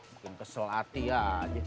mungkin kesel hati aja